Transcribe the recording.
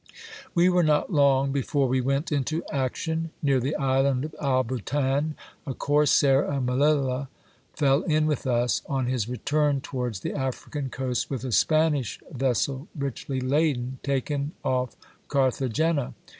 We were not long before we went into action. Near the island of Alboutan, a corsair of Millila fell in with us, on his return towards the African coast with a Spanish vessel richly laden, taken off Carthagena.